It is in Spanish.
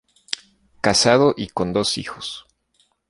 Casado y con dos hijos.